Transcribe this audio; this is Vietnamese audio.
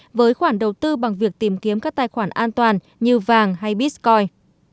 những người đồng ý đồng ý đối với khoản đầu tư bằng việc tìm kiếm các tài khoản an toàn như vàng hay bitcoin